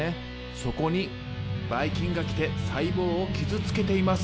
そこにバイ菌が来て細胞を傷つけています。